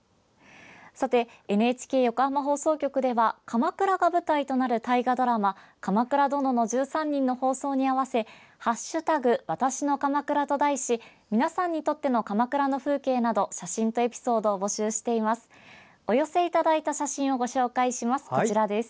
さて、ＮＨＫ横浜放送局では鎌倉が舞台となる大河ドラマ「鎌倉殿の１３人」の放送に合わせ「＃わたしの鎌倉」と題し皆さんにとっての鎌倉の風景など写真とエピソードを募集しています。